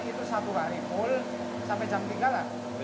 itu satu hari full sampai jam tiga lah